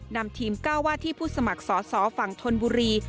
นำทีม๙ว่าที่ผู้สมัครสอสอฝั่งธนบุรี